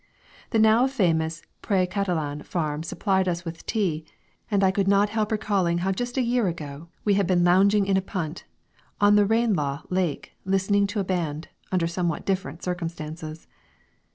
The now famous Pré Catalan farm supplied us with tea, and I could not help recalling how just a year ago we had been lounging in a punt on the Ranelagh lake listening to a band under somewhat different circumstances!